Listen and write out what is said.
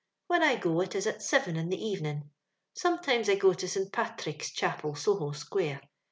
When I go, it is at siven in the evening. Sometimes I • go to St Pathrick's Chapel, Soho square.